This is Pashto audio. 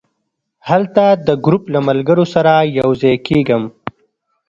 هلته د ګروپ له ملګرو سره یو ځای کېږم.